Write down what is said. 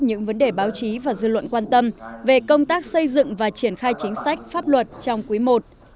những vấn đề báo chí và dư luận quan tâm về công tác xây dựng và triển khai chính sách pháp luật trong quý i